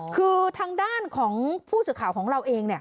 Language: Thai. คือทางด้านของผู้สื่อข่าวของเราเอง